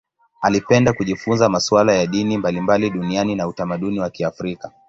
Alipenda kujifunza masuala ya dini mbalimbali duniani na utamaduni wa Kiafrika.